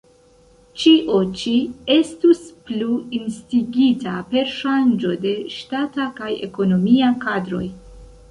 Ĉio ĉi estus plu instigita per ŝanĝo de ŝtata kaj ekonomia kadroj.